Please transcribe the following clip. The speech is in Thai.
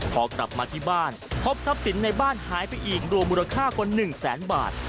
พอกลับมาที่บ้านพบทรัพย์สินในบ้านหายไปอีกรวมมูลค่ากว่า๑แสนบาท